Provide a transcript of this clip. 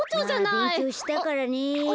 まあべんきょうしたからね。